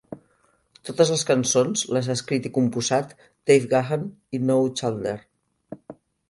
Totes les cançons les ha escrit i composat Dave Gahan y Know Chandler.